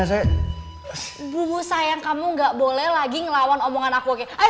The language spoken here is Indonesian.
sakti kita kelupas sakit sekarang ya kalau muka kamu dibiarin kamu bakal mencintai para ayo